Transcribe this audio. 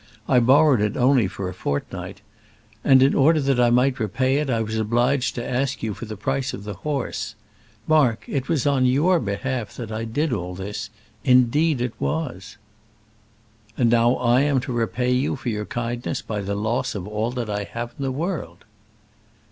I borrowed it only for a fortnight; and in order that I might repay it, I was obliged to ask you for the price of the horse. Mark, it was on your behalf that I did all this, indeed it was." "And now I am to repay you for your kindness by the loss of all that I have in the world."